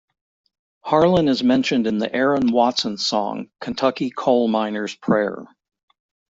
Harlan is mentioned in the Aaron Watson song "Kentucky Coal Miner's Prayer".